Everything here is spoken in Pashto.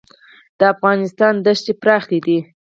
د افغانستان دښتې پراخې دي